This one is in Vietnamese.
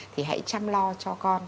thì hãy chăm lo cho con